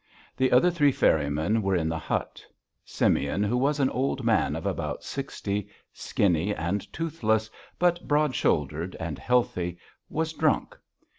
The other three ferrymen were in the hut. Simeon who was an old man of about sixty, skinny and toothless, but broad shouldered and healthy, was drunk.